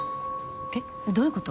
えっどういうこと？